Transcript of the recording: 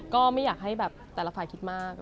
ก็ไม่อยากให้แบบแต่ละฝ่ายคิดมาก